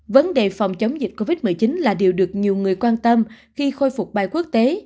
vấn đề phòng chống dịch covid một mươi chín là điều được nhiều người quan tâm khi khôi phục bay quốc tế